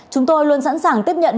chúng tôi luôn sẵn sàng tiếp nhận